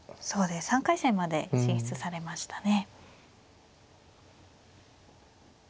３回戦まで進出されましたね。